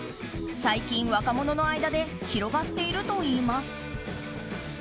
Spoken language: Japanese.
最近、若者の間で広がっているといいます。